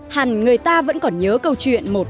đâu có ai cấm